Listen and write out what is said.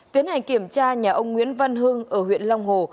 tiến hành kiểm tra nhà ông nguyễn văn hưng ở huyện long hồ